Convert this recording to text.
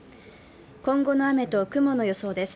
今後の雨と雲の予想です。